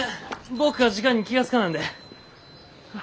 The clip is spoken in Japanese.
僕が時間に気が付かなんで。